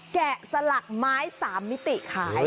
แกะสลักไม้๓มิติขาย